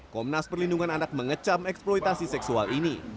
komnas perlindungan anak mengecam eksploitasi seksual ini